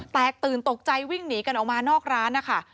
แตกตื่นตกใจวิ่งหนีกันออกมานอกร้านนะคะ